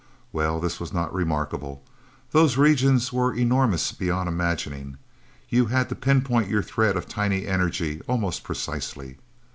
Well, this was not remarkable. Those regions were enormous beyond imagining; you had to pinpoint your thread of tiny energy almost precisely.